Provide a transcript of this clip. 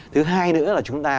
thứ hai nữa là chúng ta